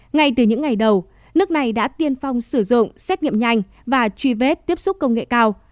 ngay từ những ngày đầu nước này đã tiên phong sử dụng xét nghiệm nhanh và truy vết tiếp xúc công nghệ cao